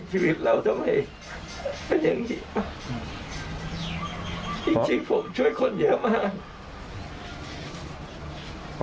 จริงผมช่วยคนเยอะมาก